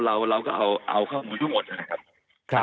เราก็เอาข้อมูลทั้งหมดนะครับ